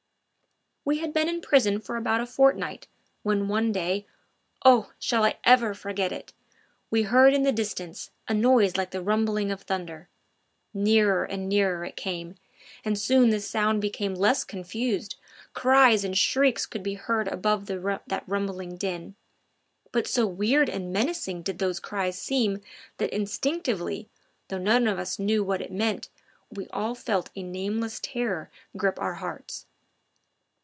We had been in prison for about a fortnight, when one day oh! shall I ever forget it? we heard in the distance a noise like the rumbling of thunder; nearer and nearer it came, and soon the sound became less confused, cries and shrieks could be heard above that rumbling din; but so weird and menacing did those cries seem that instinctively though none of us knew what they meant we all felt a nameless terror grip our hearts.